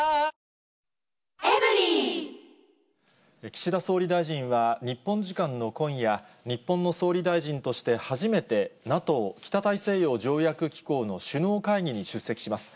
岸田総理大臣は、日本時間の今夜、日本の総理大臣として初めて、ＮＡＴＯ・北大西洋条約機構の首脳会議に出席します。